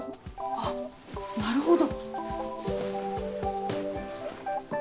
あっなるほど。